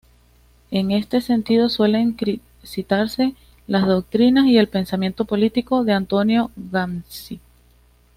En este sentido suelen citarse las doctrinas y el pensamiento político de Antonio Gramsci.